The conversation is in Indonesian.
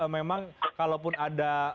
memang kalaupun ada